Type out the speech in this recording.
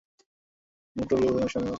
মোট প্রফিটের একটা অংশ আমার চাই।